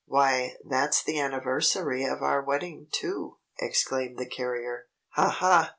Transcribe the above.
"Why, that's the anniversary of our wedding, too!" exclaimed the carrier. "Ha, ha!"